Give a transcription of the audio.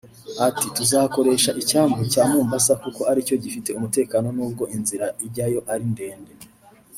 Ati “ Tuzakoresha icyambu cya Mombasa kuko aricyo gifite umutekano n’ubwo inzira ijyayo ari ndende